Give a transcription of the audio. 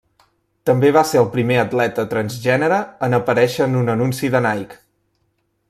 També va ser el primer atleta transgènere en aparèixer en un anunci de Nike.